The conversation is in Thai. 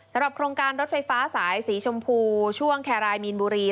โครงการรถไฟฟ้าสายสีชมพูช่วงแครายมีนบุรี